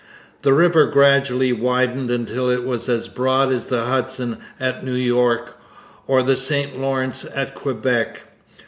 The river gradually widened until it was as broad as the Hudson at New York or the St Lawrence at Quebec.